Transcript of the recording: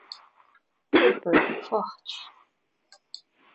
Comper, Fort